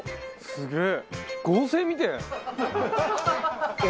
すげえ！